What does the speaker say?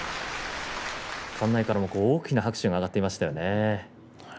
館内からも大きな拍手が上がっていましたね。